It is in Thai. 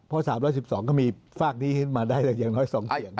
เพราะ๓๑๒ก็มีฝากนี้ขึ้นมาได้อย่างน้อย๒เสียง